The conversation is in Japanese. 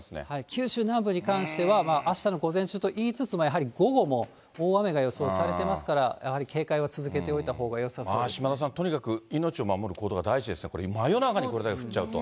九州南部に関してはあしたの午前中といいつつも、やはり午後も大雨が予想されてますから、やはり警戒を続けておい島田さん、とにかく命を守る行動が第一ですね、真夜中にこれだけ降っちゃうと。